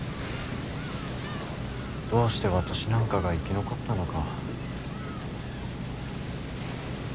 どうして私なんかが生き残ったのか。